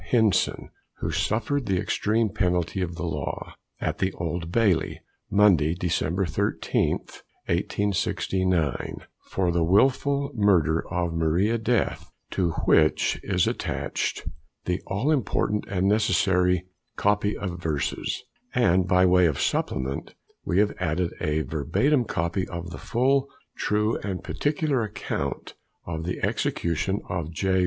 Hinson, who suffered the extreme penalty of the law, at the Old Bailey, Monday, December 13th, 1869, for the wilful murder of Maria Death, to which is attached the all important and necessary "Copy of Verses," and by way of supplement, we add a verbatim copy of the Full, True and Particular Account of the Execution of J.